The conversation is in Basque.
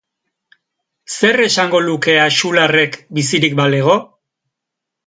Zer esango luke Axularrek bizirik balego?